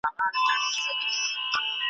چي د دواړو په شعرونو کي ,